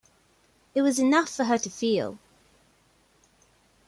It was enough for her to feel.